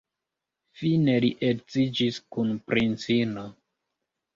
Fine li edziĝis kun princino.